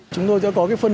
chúng tôi sẽ có phần